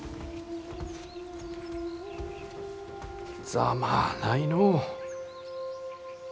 ざまあないのう。